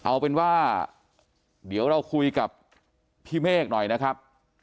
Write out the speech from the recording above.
เอาเป็นว่าเดี๋ยวเราคุยกับพี่เมฆหน่อยนะครับ